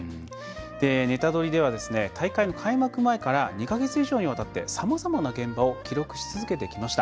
「ネタドリ！」では大会の開幕前から２か月以上にわたってさまざまな現場を記録し続けてきました。